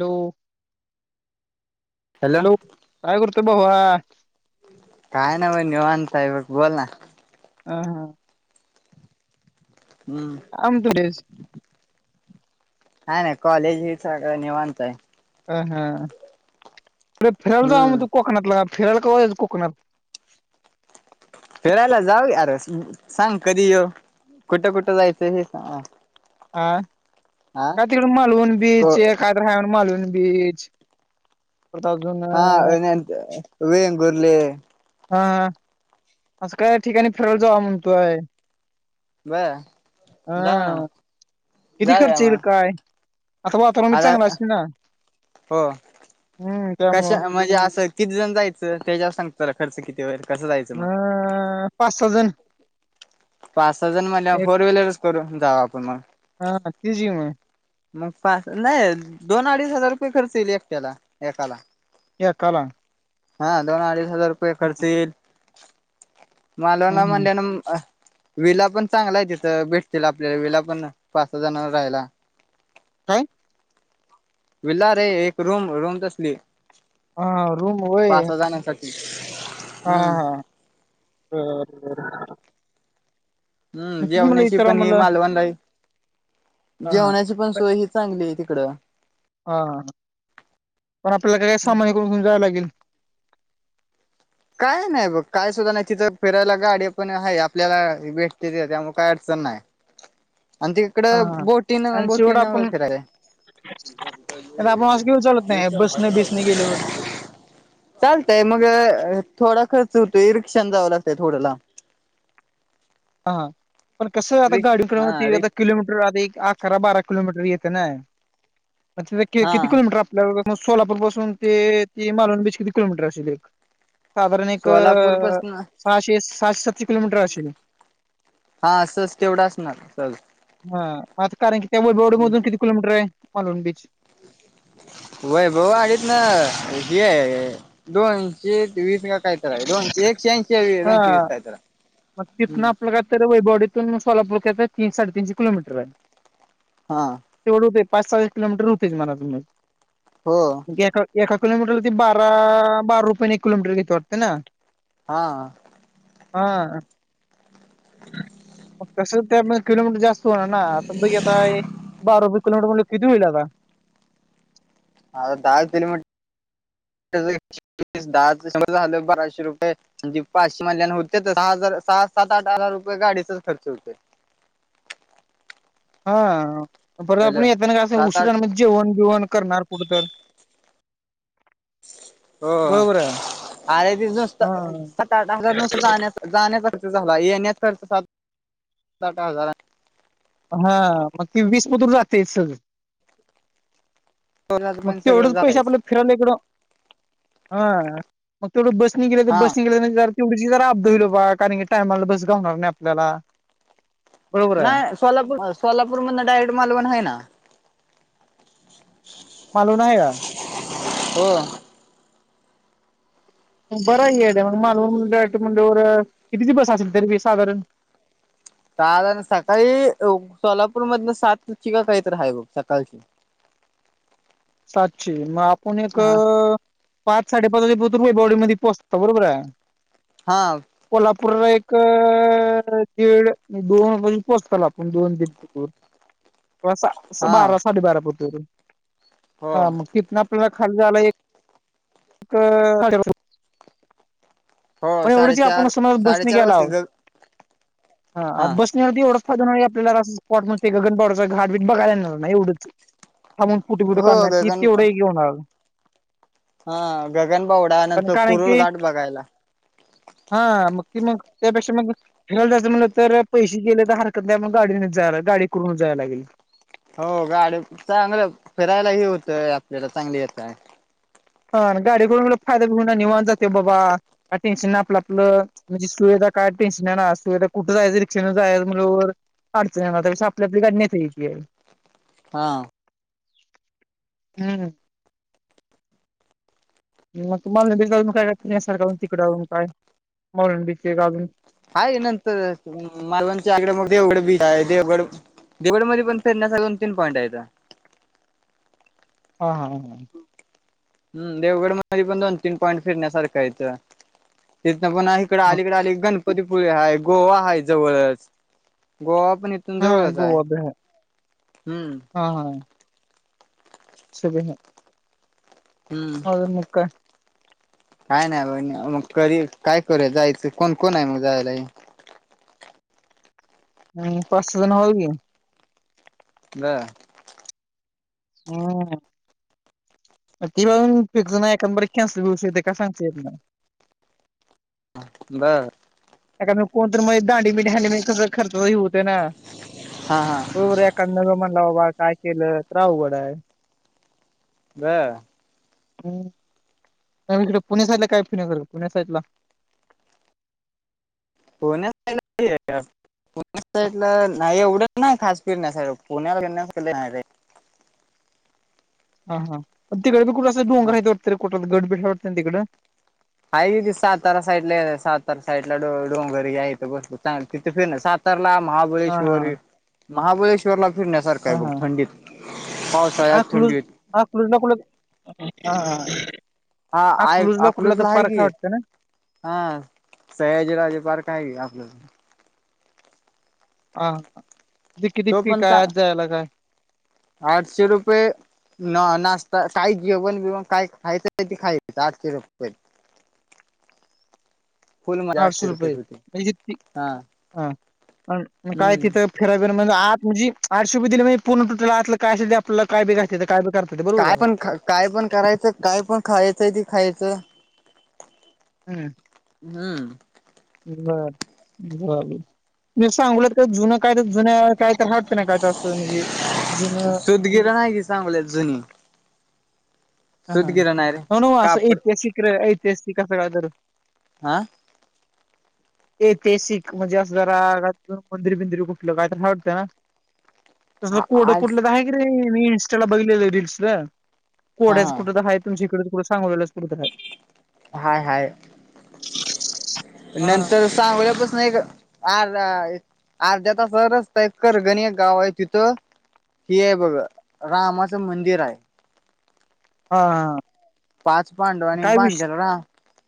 Hello, hello, काय करतोय बाबा? काय नाही बा निवांत आहे बस, बोल ना. हं, हा. हम्. आमंटुलीस काय नाही कॉलेज बी, सगळं निवांत आहे. अ, हा कुठे फिरायला जा मग तू लगा, हम्म कोकणातला फिरायला कव्हा यायचं मग कोकणत फिरायला जाऊया अरे सांग कधी येऊ, कुठं- कुठं जायचं हे सांग? हा, हा का तिकड मलंवन बीच, हे काय तर हाये मंलवन बीच प्रताप जून हा वेंनेन वेंगुरले हा असं काय ठिकाणी फिरायला जाव म्हणतोय. बर जाऊ ना हा मग किती जाऊया खर्च येईल मग काय? आता वातावरण मी आता चांगलं असल ना. हो हम्म त्यामुळं कशा म्हणजे असं. किती जण जायचं त्याच्यावर सांगतोला खर्च किती व्हायले अह पाच, सहा जन पाच सहाजन म्हणल्यावर फोर व्हीलरच करू जाऊ आपण मग हा तीच आहे मग मग पाच नाही दोन अडीच हजार रुपये खर्च येईल एकट्याला एकाला ऐकाला हा दोन अडीच हजार रुपये खर्च येईल. मलवणा हम्म मलण अ विला पण चांगला आहे तिथं भेटतील आपल्याला विला पण पाच सहा जण राहायला कय? विल्ला रे एक रूम रूम तसली हा रूम वय पाच सहा जणांसाठी हा. हम्म होरर. हम्म जेवण्याची विचाराव पण ही म्हणलं मालवण रा आहे हा हा जेवण्याची पण हा सोय ह. चांगली आहे तिकडं. हा पण आपल्याला कडे सामन ईकडून घऊन जावं लागली. काय नाही बघ काय सुद्धा नाही तिथं फिरायला गाडी पण आहे आपल्याला भेटते त्यामु काय अडचण नाही. [inaudible] आणि हा तिकडं हा बोटीन आणि शेवट बोटीन आपण फिराल्या आता आपण असं घेऊन चालत नाही ह बसने बिसने गेल्यावर [unintelligible] चालतंय मग अ थोडा खर्च होतोय रिक्षान जावं लागतंय थोडं लांब हा पण कसं आता रिक्ष गाडी हा किती रिक्ष आता किलोमीटर आ अकरा बारा किलोमीटर येते ना पण तिथे हा किती किलोमीटर आप मग सोलापूर पासून ते ती मालवण बीच किती किलोमीटर असेल एक साधारण एक सोलापूर अ पासन सहाशे सातशे किलोमीटर असेल. हा असच तेवढ असणार सहज हा आता कारण की वैभववाडी मधून किती किलोमीटर आहे मालवण बीच वैभववाडीतन हे दोनशे एकवीस काय तर दोनशे एकशे हा अंशी काय तर मग तिथनं आपलं काय तर वैभवडीतून सोलापुरक्याच तीन साडेतीीनशे किलोमीटर आहे. हा तेवढं होते पाच सहा किलोमीटर होतेय तुम्हाला हो एका एका किलोमीटरला ते बारा बारा रुपयाने एक किलोमीटर घेत वाटते ना हा हा तस त्या किलोमीटर जास्त होणार ना् बघ आता बारा रुपये किलोमीटर म्हण किती होईल आता आत्ता दहा किलोमीटर तिथेच आहे. दहाच झालं बाराशे रुपये म्हणजे पाचशे महिल्याना होते तर सहा हजार सहा सात आठ हजार रुपये गाडीचाच खर्च होतो. हा परत आपण हॅलो येतना का असं सात आठ उशिराण जेवण बेवण करणार कुठं तर हो बरोबर आहे अरे ते हा नुसतं सात आत हजार जाण्यात जाण्याचा खर्च झाला येण्याचा खर्च सात आठ हजार आणि हा मग ते वीस पतूर जातंय सगळं. सोलापूर मग पण सगळं तेवढंच पैसे जातायच आपलं फिराला इकडं हा मग तेवढं बस नि गेलं तर हा बस नि गेले तर तेवढी ज अबदा होईल बाबा कारण की टायमाला बस घावणार होणार नाही आपल्याला बरोबर आहे नाही सोलापूर सोलापूर मधून डायरेक्ट मालवण आहे ना? हम् मालवण आहे का? हो बरं आहे मालवण मधून डायरेक्ट म्हटल्यावर कितीची बस असेल तरी साधारण? सहाला आणि सकाळी सोलापूर मधून सातची काय तर आहे बघ सकाळची सातची मग आपुण एक हा पाच साडेपाचे वाजेपर्यंत वैभववाडी मध्ये पोहचतो बरोबर आहे. हा कोल्हापूरला एक दीड दोन वाजे पर्यंत पोहोचताल आपण दोन दीड हा बारा साडे बारा पतूर हो हा मग तिथंन आपल्याला खाली जायला एक एक हो पण एवढंच आपण साडेचार समज बसने साडेचार गेला वाजतेत आहोत ग हा बस येणार तर एवढंच फरक आहे आपल्याला अस स्पॉट मण ते गगनबावडचचा घाट बीट बघायला येणार नाही एवढंच थांबून कुठं कुठं हो कर त गगन तेवढे एक हे होणार हा गगनबावडा कारण नंतर कारण कुरुळ की घाट बघायला हा मग ते मग त्यापेक्षा मग फिरायला जायचं म्हटलं तर पैसे गेले तर हरकत नाहीग गाडी जायला गाडी करूनच जायला लागेल. हो गाडी चांगल फिरायला हे होतंय आपल्याला चांगली येतंय. हा गाडी करून लोक फायदा घेऊन निवांत जाते बाबा टेन्शन नाही आपलं आपलं म्हणजे सुविधा काय टेन्शन नाही सुविधा कुठं जायचं रिक्षान जायचं म्हणल्यावर अडचणी येणार त्यापेक्षा आपली आपली गाडी नेता येती आहे. हा हम्म मग त मालंडी घालून काय का तिण्यासारखाून तिकडं जाऊून काय मालंडीचे घालून [unintelligible] आहे नंतर मालवणच्या आगडे मग देवगड बीच आहे देवगड देवडमध्ये पण फिरण्यासारखे दोन तीन पॉईंट आहेत. हा हा हा हम्म देवगड मधे पण दोन तीन पॉईंट फिरण्यासारखा हाईत. तिथंन पण इकडं हा आलीकडे आली कि गणपती गणपतीपुळे हाय गोवा हाय जवळच. गोवा पण तिथून हा जवळच आहे. गोवा बी हाय हम्म हा हा शभे ह [unintelligible] हम्म मग काय? काय नाही बग मग कधी काय करूया जायचं? कोण कोण हाय मग जायला? हम्म पाच सा जण हाव की बर हम्म [unintelligible] फिक्स नाही एकंदरीत कॅन्सल होऊ शकतोय काय सांगता येत नाही बर एखादं कोण तरी मधीच दांडी बिंडी हाणली म्हणजे तुझा खर्च होय होतंय ना. हां हां हो रं एखांदा म्हणला बाबा काय केलं तर अवघड हाय बर हम्म म इकडे पुण्या साईटला काय फिरण्यासारख? पुण्या साईटला [unintelligible] पुण्या साईडला नाही एवढं नाही खास फिरण्या सारख पुण्यात फिरण्यासारख नाही रे हा हा तिकडे बी कुठ अस डोंगर आहेत वाटत, कुठ गड बीड हाय वाटत ना तिकडं? हाय की सातारा साईडला सातारा साईडला डों डोंगर हे हाइत भरपूर चांगल तिथे फिरण सात तारला हा हा महाबळेश्वर हे महाबळेश्वरला फिरण्यासारखं हा आहे बघ हा थंडीत पण पावसाळ्यात, थंडीत अकलूज ला कुटं हा हा हा आय कुठला तर अकलूजला हाय पार्क आहे की वाटतं ना हा सयाजीराजे पार्क हाय कि आपलं हा तिथे किती तो फी पण चा काय आज जायला काय? आठशे रुपये ना नाशता काही जेवण बिवण काय खायचं ते खायचं आठशे रूपये फुल मध्ये आठशे रुपये रुपयेेत होते म्हणजे ती हा हा हा मग काय हम्म तिथं फिरा बिरा मग आत मजी आठशे रूपये दिले म्हणजे पूर्ण टोटल आतलं काय असल ते आपल्याला काय बी घालतेत बी करता येतं बरोबर काय आहे. पण काय पण करायचं, काय पण खायचयं ते खायचं हम्म हम्म बर झालं मी सांगोल्यात काय जुनं कायतर जुन्या काय तर हाओत कनाही काय तर असं म्हणजे जुनं सुतगिरण आहे की सांगोल्यात जुनी हा हा सुतगिरण आहे रे नव्ह नव्ह असं कापड ऐतिहासिक र ऐतिहासिक असं कायतर आ [inaudible] एतिहासिक म्हणजे असं जरा का मंदिर बिंदिर कुठलं काय तर हाय वाटतं ना तस हा कोडं आज कुटलं तर आहे की रे मी इनस्टा ला बघलेलं रीलल्सचं हा कोड्याचं कुठं हा तर हाय तुमच्याइकडं कुठं सांगोलेल्याचं हाय हाय हा नंतर सांगोल्यापासनं एक अर्धा एक अर्ध्या तासाचा रस्ता हाय करगनी एक गाव हाय तिथं हि आहे बघ रामाचं मंदिर हाय. हा हा पाच पांडवांनी काय विषय बांधलेलं राम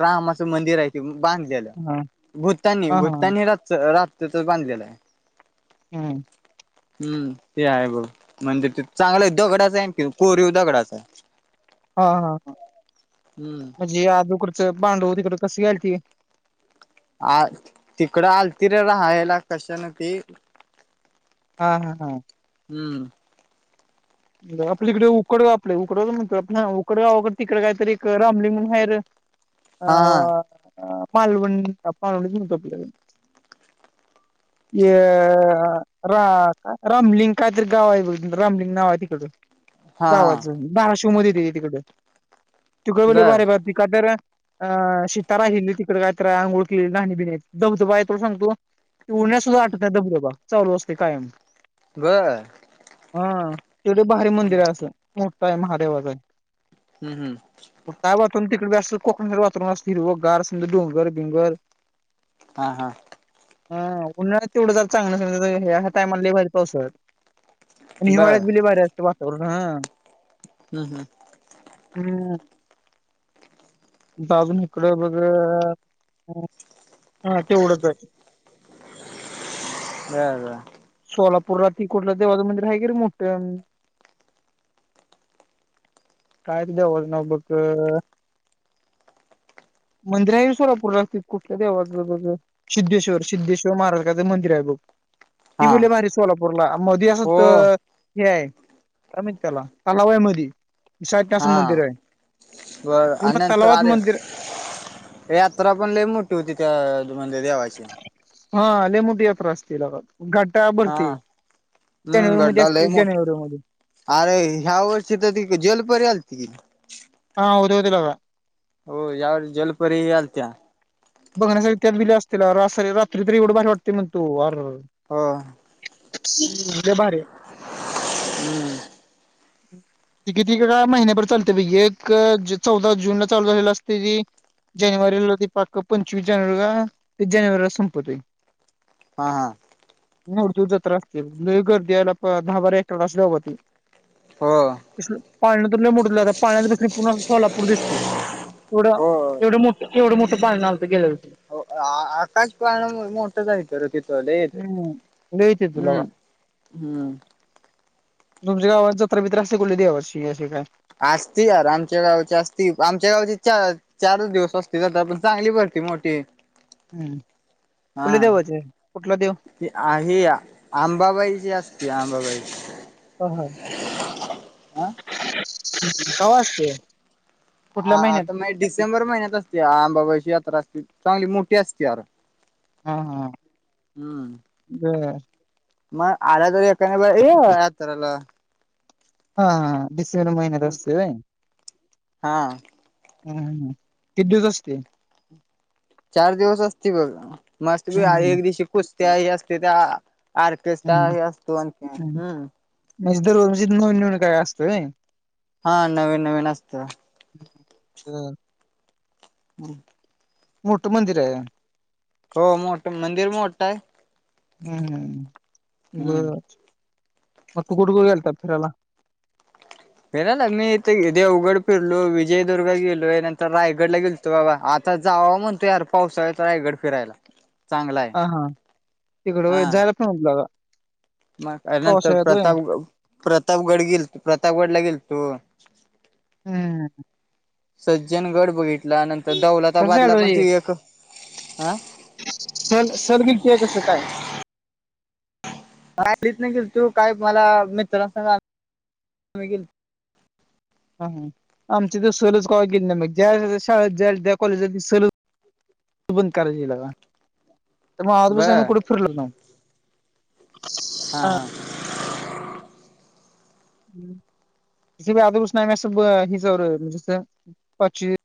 रामाचं मंदिर हाय ते बांध हा भूतांनी हा हा भूतांनी रातच बांधलेलं आहे. हा. हम् ते आहे भाऊ म्हणजे ते चांगलं दगडाच आहे कि कोरीव दगडाच आहे. हा हा हा, हम्म म्हणजे अदो करचं भांडव तिकड कस घ्यायल ती. आ तिकडं आलती रे राहायला कशानती. हा हा हा. हम्म. आपलीकडे उकड आप उकड म्हणत आप उकडगावाकडे तिकडे कायतरी एक रामलिंगण आहेर अ हा हा मालवण मालवणच म्हणतो आपल्याला. [inaudible] अ रा रामलिंग कायतरी गावा आहे रामलिंग नावा आहे ते. हा हा गावाचं बार्शवमध्ये ते हे तिकड. तु का [unintelligible] बर भारी बघ ती कातर अ शीतारा हिली तिकडे कायतरी आंघोळ केलेली आणि बि धबधबा आहे तो सांगतो उडण्यास सुद्धा आठवतात धबधबा चालू असते कायम. बर. हा तेवढे भारी मंदिर हम्म आहे असं मोठ आहे महादेवाचा. हम्म हम्म. त्या वातरून तिकडे असत कोकणातरून अस हिरव गार समजा डोंगर-बिंगर. हा हा. हा उन्हाळ्यात तेवढं जर चांगलं ह्या टामला लय भारी असत. आणि बर हिवाळ्यात बिली बऱ्या असत वातावरण हा. हम् हम. हम्म. [inaudible] तिथं आजुन ईकड बाबा हा तेवढंच. व ब. सोलापूरला कुठलं देवाचं मंदिर आहे कि रे मोठं. कायच देवन [unintelligible] मंदिराही सोलापूर लागतील कुठल्या देवाचं तर. सिद्धेश्वर सिद्धेश्वर महाराजां मंदिर आहे बघ. ती हा बली भारी सोलापूरला मधी असं हो हे आहे काय म्हणतात त्याला तलाव आहे मधी. सा असं हा मंदिर आहे. पूर्ण तलावात मंदिर हे यात्रा पण लई मोठी होती त्या म्ह देवाची. हा लय मोठी यात्रा असत लागत. घाटा हा बडते, हम्म जानेवारी मध्ये गड्डा लय असते मो जानेवारी मध्ये. अरे ह्या वर्षी तर त जेलपरी आलती. हा उ [unintelligible] हो या वर्षी‌ जलपरी अलत्या. बघण्यासाठी त्यात दिले असतील रात्री तर एवढं भारी वाटते मग तो अर. हो. लय भारी आहे. हम्म. [inaudible] त किती का महिन्याभर चालतेैे एक चौदा जूनला चालू झालेला असते ती. जानेवारीला ते पाक पंचवीस जानेवारीला, ते जानेवारीला संपतय. हा नव तू जत्रा लय गर्दी आहे लेका दहा बारा एकर असल्या [unintelligible] हो पाळणा तर लई मोठा आहे लेका पाळण्यात बसलं की पूर्ण कोल्हापूर दिसते. एवढं हो एवढं मोठ एवढं मोठं पाळणा होतं की केल्यावरती. हो आकाश पाळणा मोठाच आहे का र तिथ लय आहेत, हम्म लय येते तुला बा हम्म हम्म तुमच्या गावात जत्रा बीत्रा असते कुठल्या देवाची अशी काय? आरी यार आमच्या गावाची असती आमच्या गावची चार चारच दिवस असते दादा पण चांगली भरती मोठी. हम्म कुठली देवाची? कुठला देव? की आहे आंबाबाईचीे असते आंबाबाईची हा हा, हा. नमस्ते! आ आता मे डिसेंबर महिन्यात असते आंबाबाईची यात्रा असती, चांगली मोठी असते अर. हा हा हम्म बर मंग आला तर एखाद्या [unintelligible] ए यात्रेला. हा हा डिसेबर महिन्यात असते वय? हा हा हा किती दिवस असते? चार दिवस असते बघ, मस्त बी हम्म आय हम्म एक दिवशी पूजत्या असते त्या आर्केस्ट्रा हम्म आहे असतो आणखीन हम्म म्हणजे दररोज [unintelligible] असतोय व्हय? हा नवीन नवीन असतो. हम्म [unintelligible] मोठ मंदिर आहे. हो मोठ मंदिर मोठ आहे. हम्म हम्म हम्म बर मग तू कुठे कुठे गेलता फिरायला? फिरायला मी इथ देवगड फिरलो, विजयदुर्ग गेलोय नंतर रायगडला गेल तो बाबा आता जाव म्हणतो यार पावसाळ्यात रायगड फिरायला. चांगला आहे हा हा तिकडं हा जायला [unintelligible] मग नंतर पावसाळ्यात व्हय? प्रताप ग प्रतापगड गेल प्रतापगडला गेलतो. हम्म सज्जन गड बघितला नंतर दौलत कस आडव आहे हे सल सलगिकती आहे कसं काय? रात्रीतनं गेलतो काय मला मित्रां [unintelligible] मी गेलतो. हा हा आमची तर सहल च [unintelligible] गेले नाही म ज्या शाळ ज्या शाळेत जा कॉलेजात [unintelligible] बंद करायची लेका मग दिवस आम्ही बर कुठे फिरलोच नाही. हा हा [unintelligible]